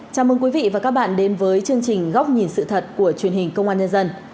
chào mừng quý vị và các bạn đến với chương trình góc nhìn sự thật của truyền hình công an nhân dân